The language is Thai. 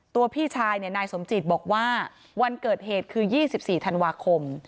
พี่ชายนายสมจิตบอกว่าวันเกิดเหตุคือ๒๔ธันวาคม